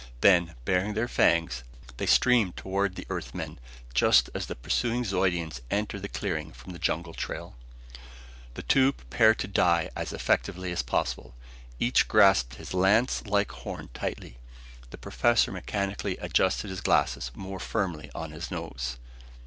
Then, baring their fangs, they streamed toward the Earth men, just as the pursuing Zeudians entered the clearing from the jungle trail. The two prepared to die as effectively as possible. Each grasped his lace like horn tightly. The professor mechanically adjusted his glasses more firmly on his nose....